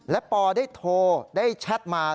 และปอได้โทรได้แชทมา